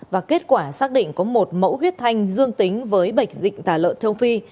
và kết quả xác định có một mẫu huyết thanh dương tính với bệnh dịch tả lợn châu phi